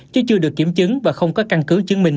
chứ chưa được kiểm chứng và không có căn cứ chứng minh